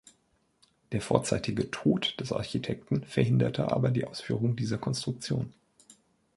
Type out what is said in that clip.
Der vorzeitige Tod des Architekten verhinderte aber die Ausführung dieser Konstruktion.